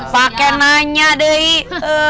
pake nanya deh